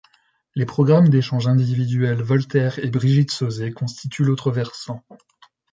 Les programmes d’échanges individuels Voltaire et Brigitte Sauzay constituent l’autre versant.